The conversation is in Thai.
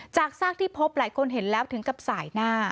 ซากที่พบหลายคนเห็นแล้วถึงกับสายหน้า